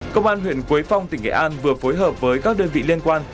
công an huyện quế phong tỉnh nghệ an vừa phối hợp với các đơn vị liên quan